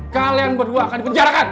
kalian berdua akan dipenjara